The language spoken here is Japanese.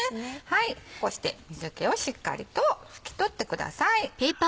こうして水気をしっかりと拭き取ってください。